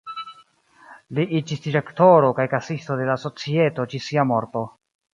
Li iĝis direktoro kaj kasisto de la societo ĝis sia morto.